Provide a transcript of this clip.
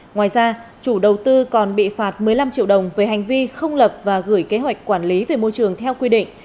ngoài ra chủ đầu tư còn bị phạt một mươi năm triệu đồng về hành vi không lập và gửi kế hoạch quản lý về môi trường theo quy định